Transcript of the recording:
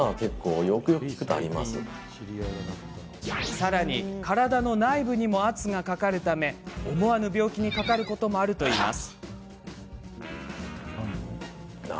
さらに体の内部にも圧がかかるため思わぬ病気にかかることもあるといいます。